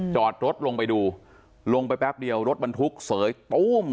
จอดรถลงไปดูลงไปแป๊บเดียวรถบรรทุกเสยตู้ม